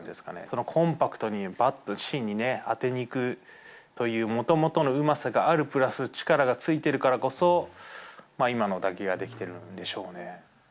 このコンパクトに、バットの芯に当てにいくというもともとのうまさがあるプラス力がついてるからこそ、今の打球ができてるんでしょうね。